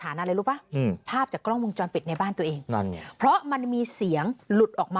จริงจริงจริงจริงจริงจริงจริงจริงจริงจริง